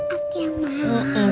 aduh ya mak